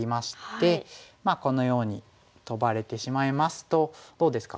このようにトバれてしまいますとどうですか？